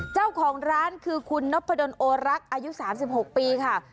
เจ้าของร้านคือคุณนพดลโอรักษ์อายุ๓๖ปีค่ะ